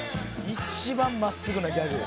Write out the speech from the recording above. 一番真っすぐなギャグ」